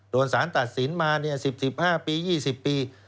โดนสารตัดสินมา๑๐๑๕ปี๒๐ปี